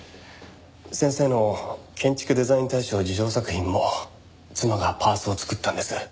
先生の建築デザイン大賞受賞作品も妻がパースを作ったんです。